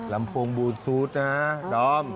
ลำโพงบูรสูตรนะดอม